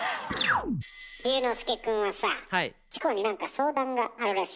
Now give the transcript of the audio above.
隆之介くんはさチコに何か相談があるらしいわね。